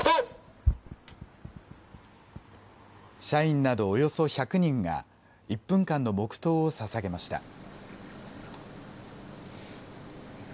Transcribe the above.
社員などおよそ１００人が１分間の黙とうをささげました。